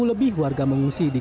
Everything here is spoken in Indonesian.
sepuluh lebih warga mengungsi di